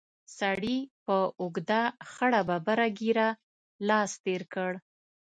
سړي په اوږده خړه ببره ږېره لاس تېر کړ.